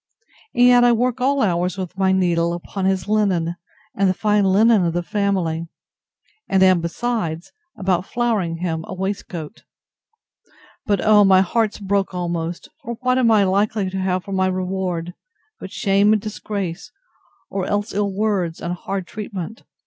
And yet I work all hours with my needle, upon his linen, and the fine linen of the family; and am, besides, about flowering him a waistcoat.—But, oh! my heart's broke almost; for what am I likely to have for my reward, but shame and disgrace, or else ill words, and hard treatment!